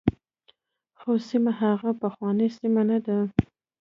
خو سیمه هغه پخوانۍ سیمه نه ده.